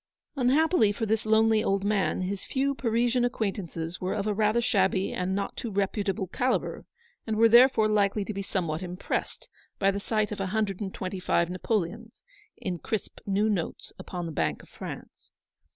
Unhappily for this lonely old man, his few Parisian acquaintances were of a rather shabby and not too reputable calibre, and were therefore likely to be somewhat impressed by the sight of a hundred and twenty five napoleons, in crisp, new notes upon the Bank of France.